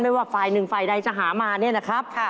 ไม่ว่าไฟล์หนึ่งไฟล์ใดจะหามานี่นะครับ